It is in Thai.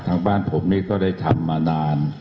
ทางบ้านผมนี่ก็ได้ทำมานาน